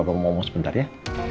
bapak ngomong sebentar ya